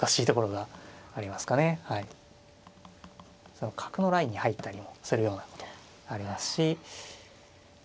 その角のラインに入ったりもするようなことありますしま